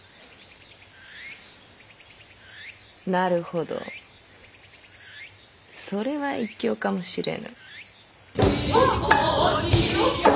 なるほどそれは一興かもしれぬ。